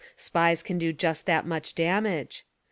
Spies can do just that much damage.